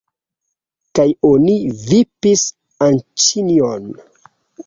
Kaj oni vipis Anĉjon.